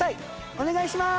お願いします！